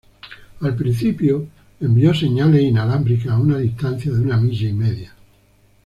Al principio, envió señales inalámbricas a una distancia de una milla y media.